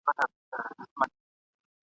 چي تعلیم بند وي مکتب تکفیر وي !.